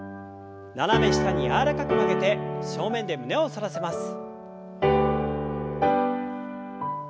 斜め下に柔らかく曲げて正面で胸を反らせます。